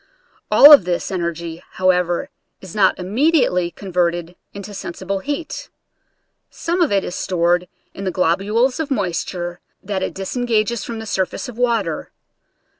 All of this en ergy, however, is not immediately converted into sensible heat. Some of it is stored in the globules of moisture that it disengages from the surface of water.